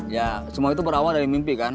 ya semua itu berawal dari mimpi kan